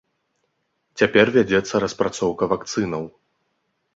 Цяпер вядзецца распрацоўка вакцынаў.